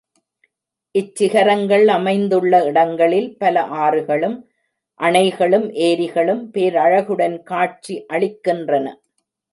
இச்சிகரங்கள் அமைந்துள்ள இடங்களில் பல ஆறுகளும், அணைகளும், ஏரிகளும் பேரழகுடன் காட்சி அளிக்கின்றன.